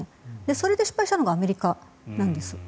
それで失敗したのがアメリカなんです。